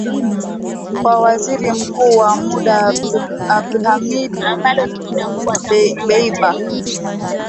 kwa Waziri Mkuu wa muda Abdulhamid Dbeibah